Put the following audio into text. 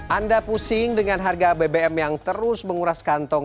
anda pusing dengan harga bbm yang terus menguras kantong